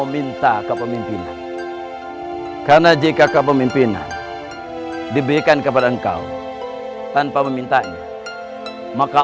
meminta kepemimpinan karena jk kepemimpinan diberikan kepada engkau tanpa memintanya maka